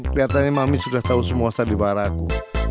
keliatannya mami sudah tahu semua sadibaraku